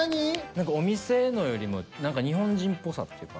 何かお店のよりも何か日本人っぽさっていうか。